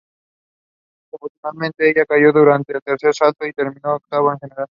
Desafortunadamente, ella cayó durante su tercer salto y terminó octava en la general.